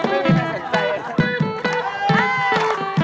โอ้โฮ